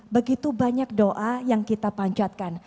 begitu banyak doa yang kita panjatkan